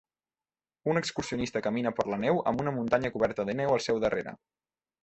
Un excursionista camina per la neu amb una muntanya coberta de neu al seu darrere